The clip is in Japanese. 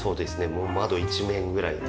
もう窓一面ぐらいですね。